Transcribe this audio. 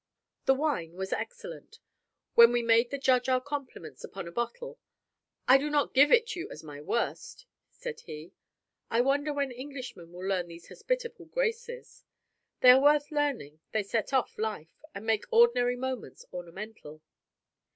The wine was excellent. When we made the Judge our compliments upon a bottle, 'I do not give it you as my worst,' said he. I wonder when Englishmen will learn these hospitable graces. They are worth learning; they set off life, and make ordinary moments ornamental.